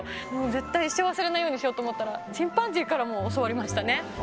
絶対一生忘れないようにしようと思ったらチンパンジーからも教わりましたね。